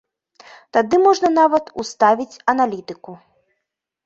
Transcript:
Тады можна нават уставіць аналітыку.